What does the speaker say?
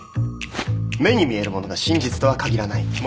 目に見えるものが真実とは限らない。